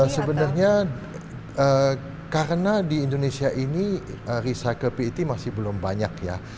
sebenarnya karena di indonesia ini recycle pet masih belum banyak ya